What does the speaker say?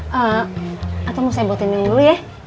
hmm atau mau saya buat ini dulu ya